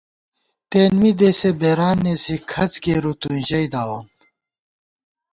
تېن می دېسےبېران نېسی کھڅ کېرُو توئیں ژئیداوون